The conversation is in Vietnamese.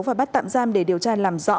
và bắt tạm giam để điều tra làm rõ